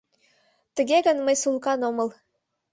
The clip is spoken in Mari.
Тыге гын, мый сулыкан омыл».